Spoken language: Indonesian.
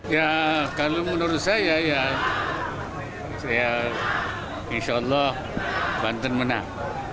ya kalau menurut saya ya insya allah banten menang